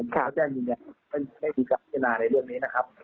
แค่แจ้งอย่างนี้ไม่มีการพิจารณาในเรื่องนี้นะครับ